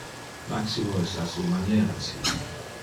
Maximo es a su maniera ci.